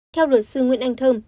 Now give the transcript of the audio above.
theo luật sư nguyễn anh thơm